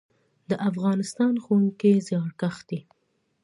د افغانستان ښوونکي زیارکښ دي